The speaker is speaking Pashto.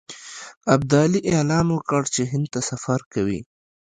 ابدالي اعلان وکړ چې هند ته سفر کوي.